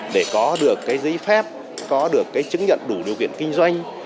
để có được giấy phép có được chứng nhận đủ điều kiện kinh doanh